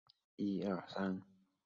在许多的案例中记载有这种疾病。